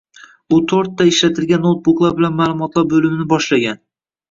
U to'rt ta ta ishlatilgan noutbuklar bilan maʼlumotlar boʻlimini boshlagan